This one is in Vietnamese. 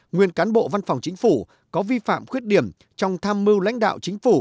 nguyên cán bộ văn phòng chính phủ có vi phạm khuyết điểm trong tham mưu lãnh đạo chính phủ